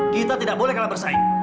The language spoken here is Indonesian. kita tidak boleh kalah bersaing